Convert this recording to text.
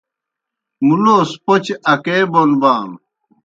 مُلوس پوْچہ اکے بونبانوْ۔